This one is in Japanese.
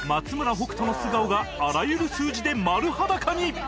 北斗の素顔があらゆる数字で丸裸に！